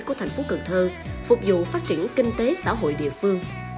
của thành phố cần thơ phục vụ phát triển kinh tế xã hội địa phương